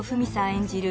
演じる